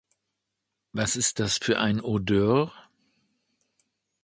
Was ist das für ein Odeur?